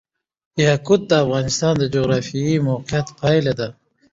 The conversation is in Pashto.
یاقوت د افغانستان د جغرافیایي موقیعت پایله ده.